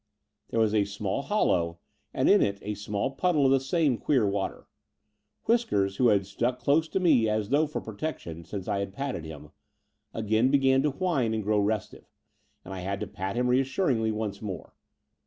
There was a small hollow; and in it a small puddle of the same queer water. Whiskers, who had stuck dose to me as though for protection since I had patted him, again began to whine and grow restive; and I had to pat him reassuringly once more.